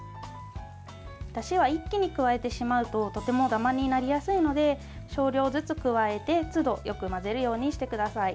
だしは一気に加えてしまうととてもダマになりやすいので少量ずつ加えて、つどよく混ぜるようにしてください。